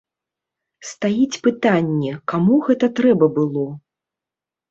Стаіць пытанне, каму гэта трэба было.